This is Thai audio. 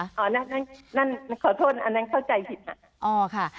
อันนั้นขอโทษอันนั้นเข้าใจผิดค่ะ